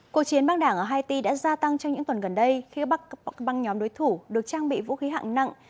cuộc chiến băng đảng ở haiti đã gia tăng trong những tuần gần đây khi băng nhóm đối thủ được trang bị vũ khí hạng nặng